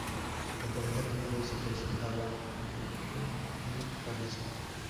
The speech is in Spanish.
La pareja tiene dos hijos, Ava Lilly y Harrison.